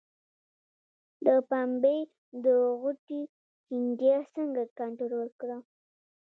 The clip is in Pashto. د پنبې د غوټې چینجی څنګه کنټرول کړم؟